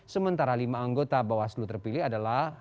sementara lima anggota bawaslu terpilih adalah